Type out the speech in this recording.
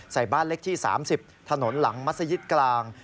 ใส่บ้านเล็กที่๓๐ถนนหลังมัศยิตกลาง